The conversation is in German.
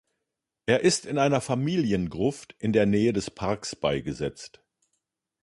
Er ist in einer Familiengruft in der Nähe des Parks beigesetzt.